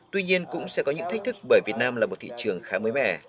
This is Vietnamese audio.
tuy nhiên cũng sẽ có những thách thức bởi việt nam là một thị trường khá mới mẻ